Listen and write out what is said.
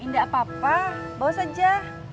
tidak apa apa bawa saja